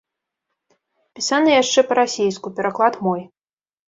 Пісаны яшчэ па-расейску, пераклад мой.